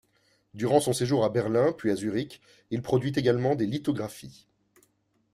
Durant son séjour à Berlin puis à Zurich, il produit également des lithographies.